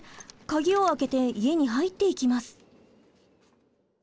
鍵を開けて家に入っていきます。